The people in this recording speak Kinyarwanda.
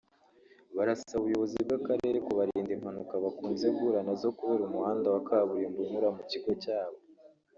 barasaba ubuyobozi bw’ako karere kubarinda impanuka bakunze guhura nazo kubera umuhanda wa kaburimbo unyura mu kigo cyabo